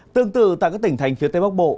tương tự tại các tỉnh thành phía tây bắc bộ